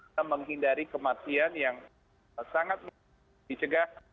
dinding dari kematian yang sangat dicegah